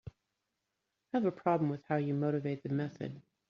I have a problem with how you motivate the method.